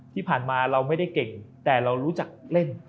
ที่ผ่านมาเราไม่ได้เก่งแต่เรารู้จักเล่น